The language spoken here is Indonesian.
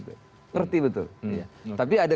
ngerti betul tapi ada